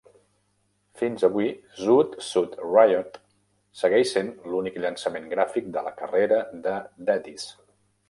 Fins a avui, "Zoot Suit Riot" segueix sent l'únic llançament gràfic de la carrera de Daddies.